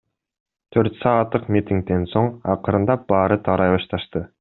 Төрт саатык митингден соң акырындап баары тарай башташты.